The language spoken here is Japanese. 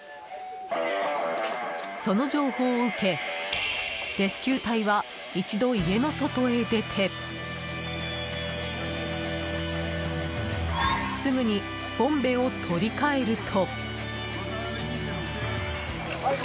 その情報を受けレスキュー隊は一度家の外へ出てすぐにボンベを取り換えると。